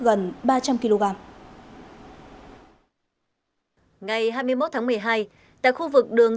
ngày hai mươi một tháng một mươi hai tại khu vực đường tổng giáo tỉnh đồng nai đã phát hiện một đường dán trái phép pháo hoa nổ với số lượng rất lớn thu giữ gần ba trăm linh kg